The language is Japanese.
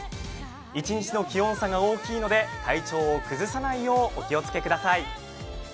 １日の気温差が大きいので体調を崩さないよう、お気をつけください。